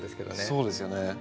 そうですよね。